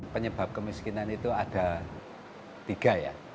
penyebab kemiskinan itu ada tiga ya